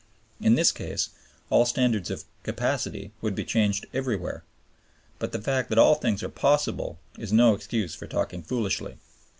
In this case all standards of "capacity" would be changed everywhere. But the fact that all things are possible is no excuse for talking foolishly.